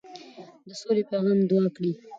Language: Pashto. د سولې پیغام عام کړئ.